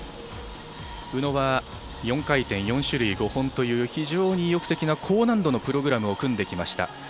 宇野は４回転、４種類５本という非常に意欲的な高難度のプログラムを組んできました。